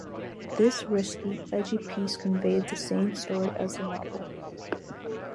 This risky, edgy piece conveyed the same story as the novel.